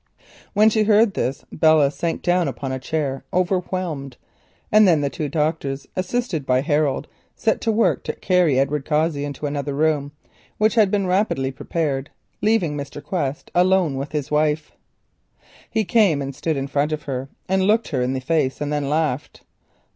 When she heard this Belle sank down upon a chair overwhelmed. Then the two doctors, assisted by Harold, set to work to carry Edward Cossey into another room which had been rapidly prepared, leaving Mr. Quest alone with his wife. He came, stood in front of her, looked her in the face, and then laughed.